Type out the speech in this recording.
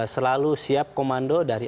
selalu siap komando dari